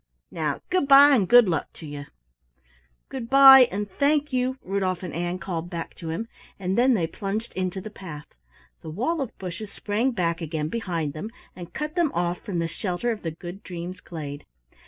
Now good by, and good luck to you!" "Good by, and thank you!" Rudolf and Ann called back to him, and then they plunged into the path. The wall of bushes sprang back again behind them, and cut them off from the shelter of the Good Dreams' glade.